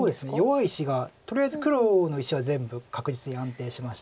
弱い石がとりあえず黒の石は全部確実に安定しましたし。